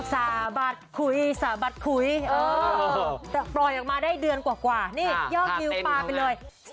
สาบัดคุยสะบัดคุยแต่ปล่อยออกมาได้เดือนกว่านี่ยอดวิวปลาไปเลย